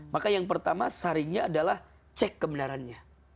maka yang pertama saringnya adalah cek kebenarannya